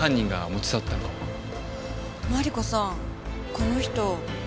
この人。